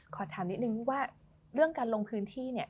ขอถามนิดนึงว่าเรื่องการลงพื้นที่เนี่ย